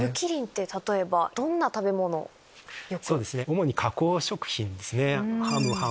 主に加工食品ですね。